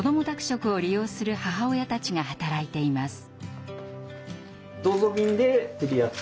食を利用する母親たちが働いています。